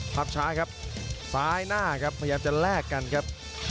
ภาพช้าครับซ้ายหน้าครับพยายามจะแลกกันครับ